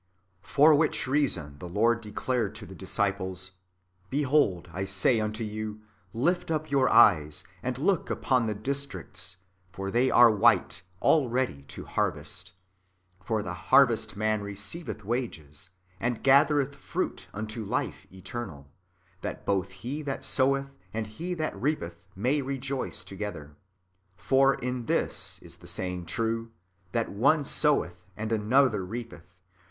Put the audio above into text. For which reason the Lord declared to the disciples :" Behold, I say unto you. Lift up your eyes, and look upon the districts (regiones), for they are white [already] to harvest. For the harvest man receiveth wages, and gathereth fruit unto life eternal, that both he that soweth and he that reapeth may rejoice together. For in this is the saying true, that one soweth and another reapeth.